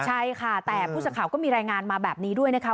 ใช่ค่ะแต่ผู้สักข่าวก็มีรายงานมาแบบนี้ด้วยนะคะ